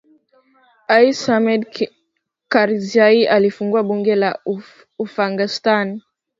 ais hamed karzai afungua bunge la afghanistan